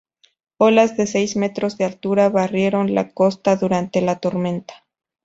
Olas de seis metros de altura barrieron la costa durante la tormenta.